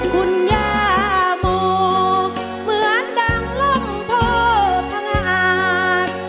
คุณยามูเหมือนดังล่มโทพังอาจ